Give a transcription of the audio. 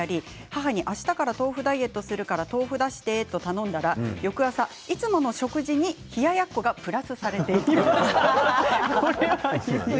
母にあしたから豆腐ダイエットをするから出してと頼んだら翌朝いつもの食事に冷ややっこがプラスされている。